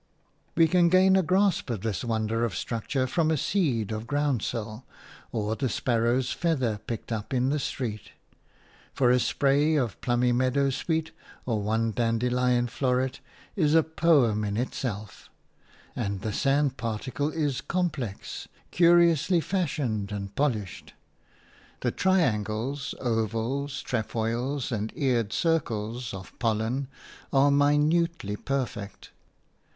We can gain a grasp of this wonder of structure from a seed of groundsel or a sparrow's feather picked up in the street; for a spray of plumy meadowsweet or one dandelion floret is a poem in itself, and the sand particle is complex, curiously fashioned and polished. The triangles, ovals, trefoils and eared circles of pollen are minutely perfect.